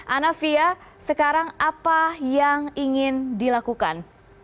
ana fia sekarang apa yang ingin dilakukan